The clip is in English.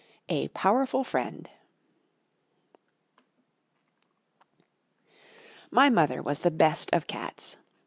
A Powerful Friend MY mother was the best of cats.